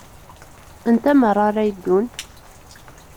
Anta meṛṛa ara yeddun?